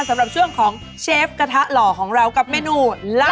สำหรับช่วงของเชฟกระทะหล่อของเรากับเมนู